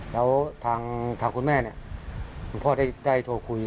แล้วทางคุณแม่เนี่ยคุณพ่อได้โทรคุย